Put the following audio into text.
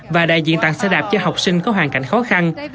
và đại diện tặng xe đạp cho học sinh có hoàn cảnh khó khăn